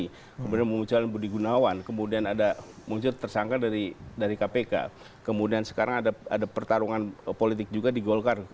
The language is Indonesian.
kemudian munculkan budi gunawan kemudian ada muncul tersangka dari kpk kemudian sekarang ada pertarungan politik juga di golkar